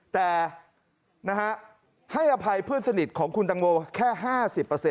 แต่ให้อภัยเพื่อนสนิทของคุณตังโมแค่๕๐